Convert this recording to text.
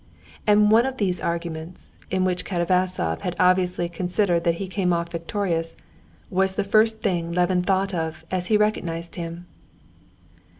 And one of these arguments, in which Katavasov had obviously considered that he came off victorious, was the first thing Levin thought of as he recognized him.